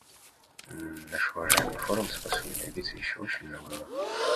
Наш уважаемый форум способен добиться еще очень многого.